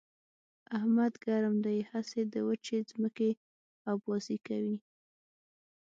احمد ګرم دی؛ هسې د وچې ځمکې اوبازي کوي.